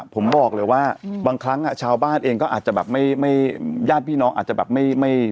ผมบอกเลยว่าอืมบางครั้งอ่ะชาวบ้านเองก็อาจจะแบบไม่ไม่